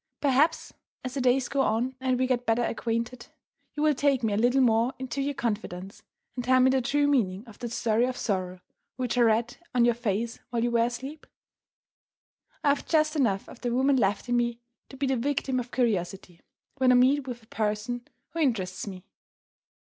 Perhaps, as the days go on, and we get better acquainted, you will take me a little more into your confidence, and tell me the true meaning of that story of sorrow which I read on your face while you were asleep? I have just enough of the woman left in me to be the victim of curiosity, when I meet with a person who interests me.